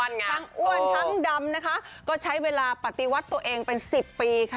ทั้งอ้วนทั้งดำนะคะก็ใช้เวลาปฏิวัติตัวเองเป็นสิบปีค่ะ